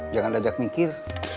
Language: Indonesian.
jangan lajak mikir